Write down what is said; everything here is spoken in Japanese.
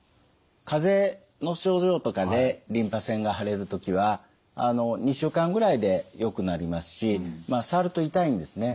かぜの症状とかでリンパ腺が腫れる時は２週間ぐらいでよくなりますしまあ触ると痛いんですね。